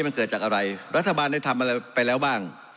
มันเกิดจากอะไรรัฐบาลได้ทำอะไรไปแล้วบ้าง